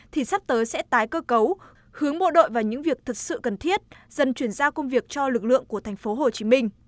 thì sắp tới sẽ tái cơ cấu hướng bộ đội vào những việc thực sự cần thiết dần chuyển giao công việc cho lực lượng của tp hcm